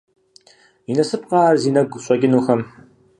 И насыпкъэ ар зи нэгу щӀэкӀынухэм?!